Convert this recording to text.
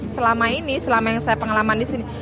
selama ini selama yang saya pengalaman di sini